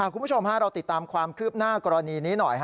คุณผู้ชมเราติดตามความคืบหน้ากรณีนี้หน่อย